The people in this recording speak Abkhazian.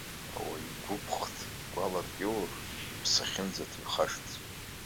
Ауаҩ гәыԥхҭ гәалак иоур, иԥсы ахьынӡаҭоу ихашҭӡом.